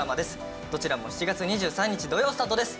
どちらも７月２３日土曜スタートです。